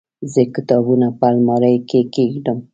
زه کتابونه په المارۍ کې کيږدم.